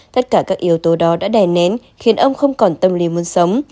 tất cả các yếu tố đó đã đè nén khiến ông không còn tâm lý muốn sống